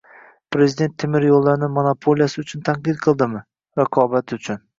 Prezident temir yo'llarni monopoliyasi uchun tanqid qildimi? Raqobat zarur